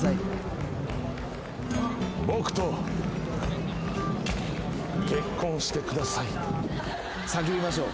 僕と結婚してください」叫びましょう。